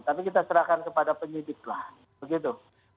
tapi kita serahkan kepada penyidik lah begitu